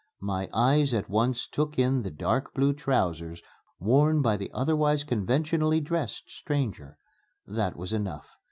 My eyes at once took in the dark blue trousers worn by the otherwise conventionally dressed stranger. That was enough.